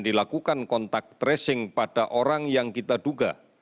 dilakukan kontak tracing pada orang yang kita duga